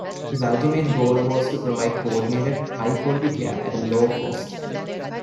His ultimate goal was to provide coordinated, high quality care at a low cost.